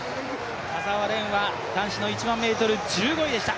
田澤廉は男子の１００００ｍ１５位でした。